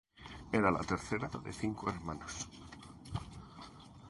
Era la tercera de cinco hermanos.